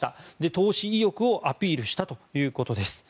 投資意欲をアピールしたということです。